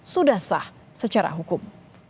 sudah sah secara hukum